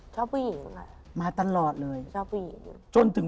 ชอบผู้หญิง